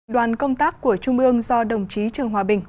đoàn công tác của trung ương do đồng chí trương hòa bình